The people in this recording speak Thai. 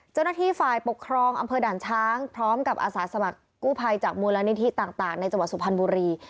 เจ้าหน้าที่ฝ่ายปกครองอำเภอด่านช้างพร้อมกับอาสาสมัครกู้ภัยจากมูลนิธิต่างในจังหวัดสุพรรณบุรี